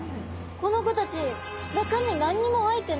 この子たち中身何にも入ってないですよ。